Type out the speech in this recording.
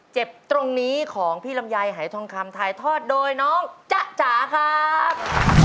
เจ็บตรงนี้ของพี่ลำไยหายทองคำถ่ายทอดโดยน้องจ๊ะจ๋าครับ